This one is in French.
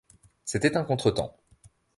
C’était un contretemps.